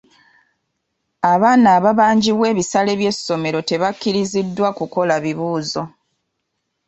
Abaana ababanjibwa ebisale by'essomero tebakkiriziddwa kukola bibuuzo.